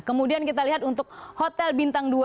kemudian kita lihat untuk hotel bintang dua